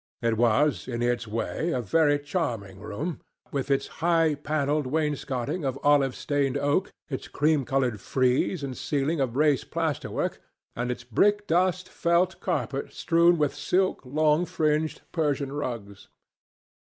It was, in its way, a very charming room, with its high panelled wainscoting of olive stained oak, its cream coloured frieze and ceiling of raised plasterwork, and its brickdust felt carpet strewn with silk, long fringed Persian rugs.